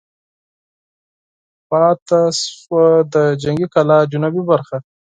پاتې شوه د جنګي کلا جنوبي برخه.